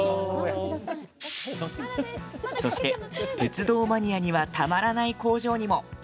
そして、鉄道マニアにはたまらない工場にも。